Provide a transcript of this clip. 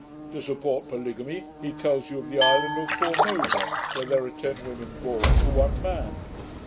To support polygamy, he tells you of the island of Formosa, where there are ten women born for one man.